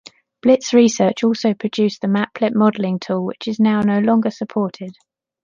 Blitz Research also produced the Maplet modelling tool, which is now no longer supported.